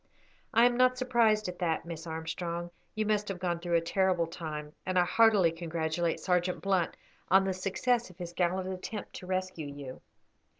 "I am not surprised at that, Miss Armstrong. You must have gone through a terrible time, and I heartily congratulate Sergeant Blunt on the success of his gallant attempt to rescue you."